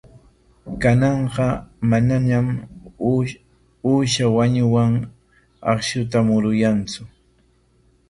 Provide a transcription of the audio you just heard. Kananqa manañam uusha wanuwan akshuta muruyantsu.